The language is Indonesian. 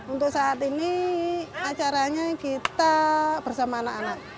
untuk saat ini acaranya kita bersama anak anak